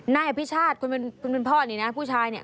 นายอภิชาติคนเป็นพ่อนี่นะผู้ชายเนี่ย